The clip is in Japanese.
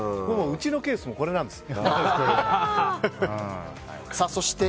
うちのケースもこれなんです。